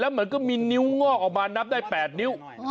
เหมือนก็มีนิ้วงอกออกมานับได้๘นิ้ว